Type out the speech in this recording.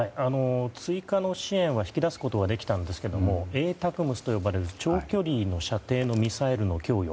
追加の支援は引き出すことはできたんですがＡＴＡＣＭＳと呼ばれる長距離射程のミサイルの供与。